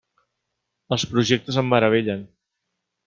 Els projectes em meravellen.